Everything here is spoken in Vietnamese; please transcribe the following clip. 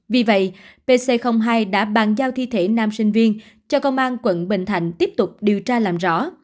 vì vậy pc hai đã bàn giao thi thể nam sinh viên cho công an quận bình thạnh tiếp tục điều tra làm rõ